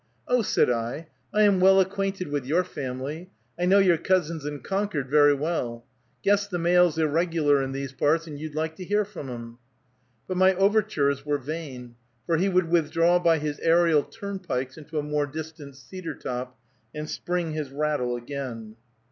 "Oh," said I, "I am well acquainted with your family, I know your cousins in Concord very well. Guess the mail's irregular in these parts, and you'd like to hear from 'em." But my overtures were vain, for he would withdraw by his aerial turnpikes into a more distant cedar top, and spring his rattle again.